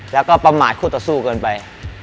แล้วก็ประมาทคู่ต่อสู้เกินไป